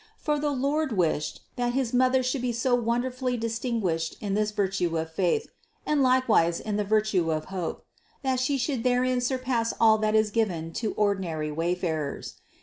For the Lord wished, that his Mother should be so wonderfully distinguished in this virtue of faith (and likewise in the virtue of hope), that She should therein surpass all that is given to ordi nary wayfarers.